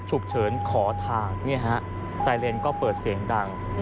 ฉุกเฉินขอทางไซเลนก็เปิดเสียงดัง